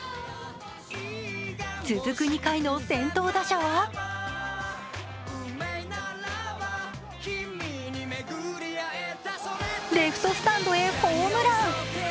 続く２回の先頭打者はレフトスタンドへホームラン。